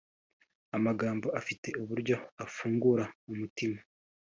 amagambo afite uburyo afungura umutima